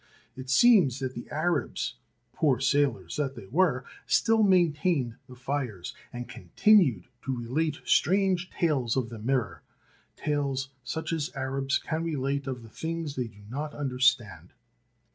It seems that the Arabs, poor sailors that they were, still maintained the fires, and continued to relate strange tales of the mirror, tales such as Arabs can relate of the things they do not under stand.